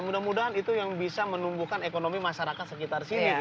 mudah mudahan itu yang bisa menumbuhkan ekonomi masyarakat sekitar sini